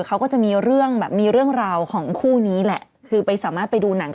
เขาก็จะมีเรื่องแบบมีเรื่องราวของคู่นี้แหละคือไปสามารถไปดูหนัง